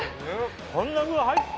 こんな具入って。